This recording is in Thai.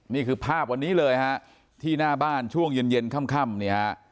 นี่คือภาพวันนี้เลยฮะที่หน้าบ้านช่วงเย็นเย็นค่ำเนี่ยฮะ